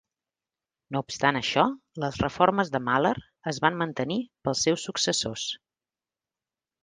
No obstant això, les reformes de Mahler es van mantenir pels seus successors.